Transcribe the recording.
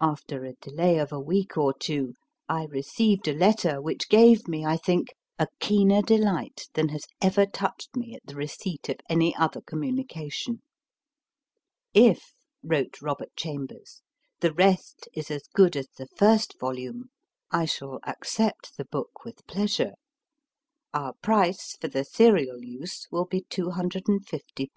After a delay of a week or two, I received a letter which gave me, I think, a keener delight than has ever touched me at the receipt of any other com munication. If, wrote Robert Chambers, the rest is as good as the first volume, I shall ac cept the book with pleasure. Our price for the serial use will be 25<D